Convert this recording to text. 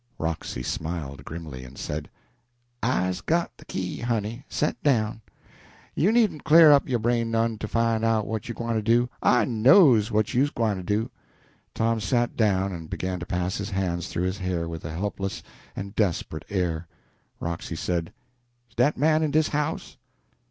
Roxy smiled grimly, and said "I's got de key, honey set down. You needn't cle'r up yo' brain none to fine out what you gwine to do I knows what you's gwine to do." Tom sat down and began to pass his hands through his hair with a helpless and desperate air. Roxy said, "Is dat man in dis house?"